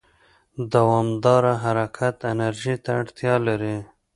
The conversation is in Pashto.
دوامداره حرکت انرژي ته اړتیا لري.